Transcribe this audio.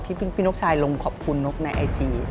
พี่นกชายลงขอบคุณนกในไอจี